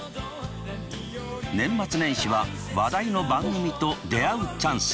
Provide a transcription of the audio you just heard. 年末年始は話題の番組と出会うチャンス！